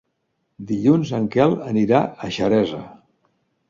Dilluns en Quel anirà a Xeresa.